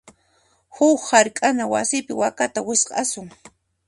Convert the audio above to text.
Huk hark'ana wasipi wakata wisq'asun.